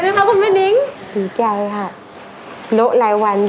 ฟอลยืนบนนี้๒เพลงเท่านั้นเอง